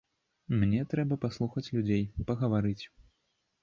Мне трэба паслухаць людзей, пагаварыць.